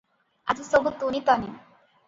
ଆଜି ସବୁ ତୁନି ତାନି ।